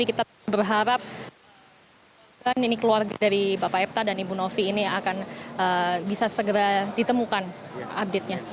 kita berharap keluarga dari bapak epta dan ibu novi ini akan bisa segera ditemukan update nya